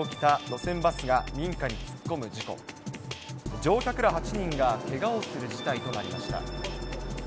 乗客ら８人がけがをする事態となりました。